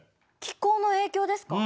気候の影響ですか？